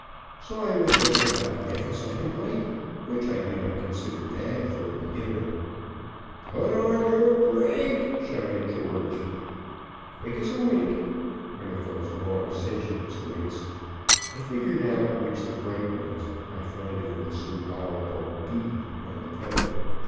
So I was just about half a second late, which I do not consider bad for a beginner. "Put on your brake!" shouted George. Quick as a wink (one of those long sensuous winks) I figured out which the brake was, by finding the symbolical "B" on the pedal.